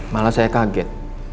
malah saya kaget